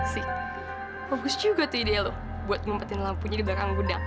si bagus juga tuh ide lu buat ngumpetin lampunya di belakang guna